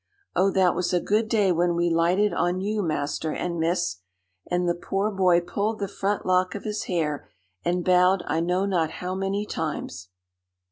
Oh, that was a good day when we lighted on you, Master and Miss!" And the poor boy pulled the front lock of his hair and bowed I know not how many times.